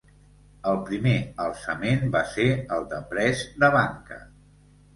El primer alçament va ser el de press de banca.